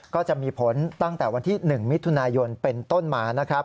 ก็จะมีผลตั้งแต่วันที่๑มิถุนายนเป็นต้นมานะครับ